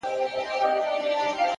اخلاص د نیک عمل ارزښت ساتي.!